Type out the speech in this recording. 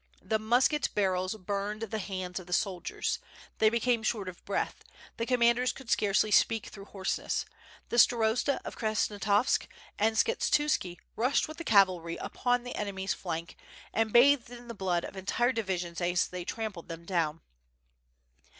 The mus ket barrels burned the hands of the soldiers; they became short of breath; the commanders could scarcely speak through hoarseness. The Starosta of Krasnostavsk and Skshetuski rushed with the cavalry upon the enemies flank> and bathed WITH nUE AND SWORD, 727 in the blood of entire divisions as they trampled them down.